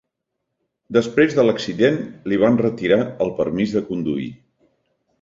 Després de l'accident, li van retirar el permís de conduir.